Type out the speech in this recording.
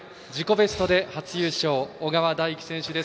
ベストで初優勝の小川大輝選手です。